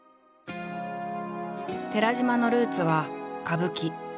寺島のルーツは歌舞伎。